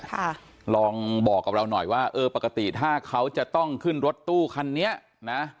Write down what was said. ค่ะลองบอกกับเราหน่อยว่าเออปกติถ้าเขาจะต้องขึ้นรถตู้คันนี้นะ